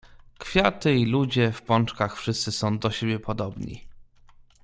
"Kwiaty i ludzie w pączkach wszyscy są do siebie podobni."